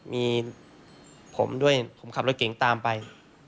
มีผมด้วยผมขับรถเก่งตามไป